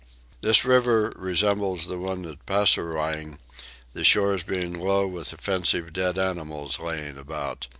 This river resembles the one at Passourwang, the shores being low with offensive dead animals laying about.